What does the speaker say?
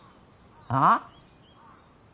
ああ？